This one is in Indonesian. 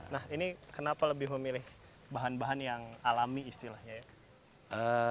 nah ini kenapa lebih memilih bahan bahan yang alami istilahnya ya